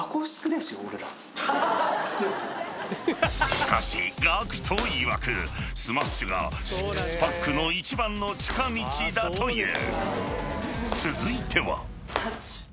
［しかしＧＡＣＫＴいわくスマッシュがシックスパックの一番の近道だという］